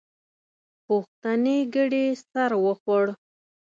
پوښتنې ګډې سر وخوړ.